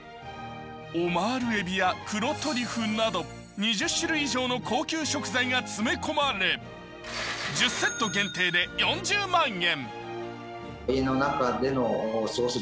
オマールエビや黒トリュフなど２０種類以上の高級食材が詰め込まれ１０セット限定で４０万円。